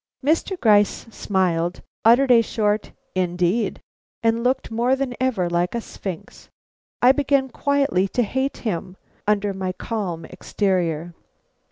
Mr. Gryce smiled, uttered a short "Indeed!" and looked more than ever like a sphinx. I began quietly to hate him, under my calm exterior.